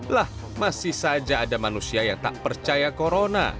lah masih saja ada manusia yang tak percaya corona